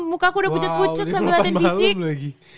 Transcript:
mukaku udah pucet pucet sambil latihan fisik